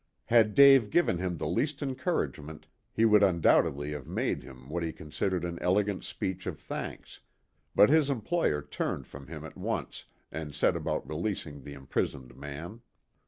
Had Dave given him the least encouragement he would undoubtedly have made him what he considered an elegant speech of thanks, but his employer turned from him at once and set about releasing the imprisoned man.